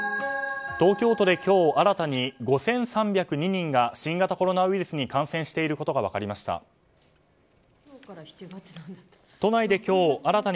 東京都で今日新たに５３０２人が新型コロナウイルスに感染していることが分かりました。